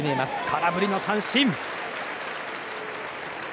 空振り三振。